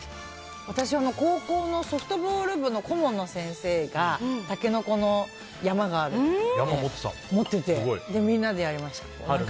私は、高校のソフトボール部の顧問の先生がタケノコの山を持っててみんなでやりました。